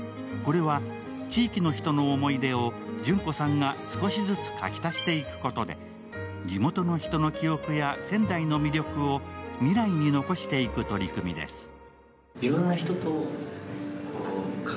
これは地域の人の思い出をジュンコさんが少しずつ描き足していくことで地元の人の記憶や仙台の魅力を未来に残していく取り組みです。